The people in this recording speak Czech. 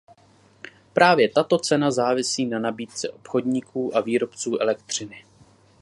Právě tato cena závisí na nabídce obchodníků a výrobců elektřiny.